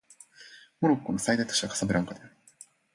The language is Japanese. モロッコの最大都市はカサブランカである